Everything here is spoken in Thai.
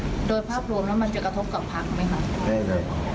โดยภาพรวมแล้วมันจะกระทบกับพลักษณ์ไหมครับ